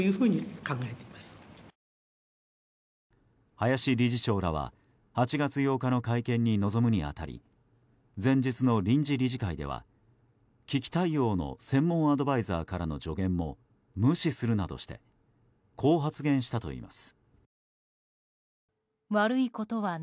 林理事長らは８月８日の会見に臨むに当たり前日の臨時理事会では危機対応の専門アドバイザーからの助言も無視するなどしてこう発言したといいます。